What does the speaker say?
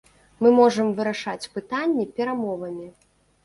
Мы можам вырашаць пытанні перамовамі.